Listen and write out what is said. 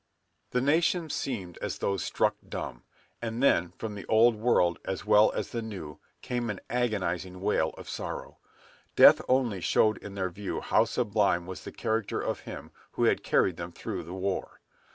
The nation seemed as though struck dumb; and then, from the Old World as well as the New, came an agonizing wail of sorrow. Death only showed to their view how sublime was the character of him who had carried them through the war.